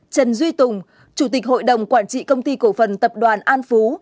trần duy tùng chủ tịch hội đồng quản trị công ty cổ phần tập đoàn an phú